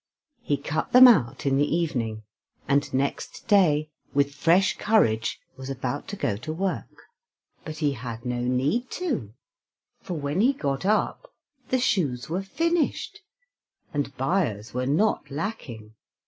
He cut them out in the evening, and next day, with fresh courage was about to go to work; but he had no need to, for when he got up, the shoes were finished, and buyers were not lacking.